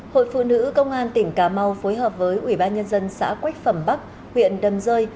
hội phụ nữ công an tỉnh cà mau phối hợp với ủy ban nhân dân xã quách phẩm bắc huyện đầm rơi